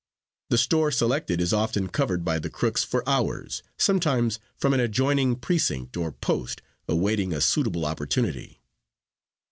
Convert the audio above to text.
The store selected is often covered by the crooks for hours, sometimes from an adjoining precinct or post, awaiting a suitable opportunity.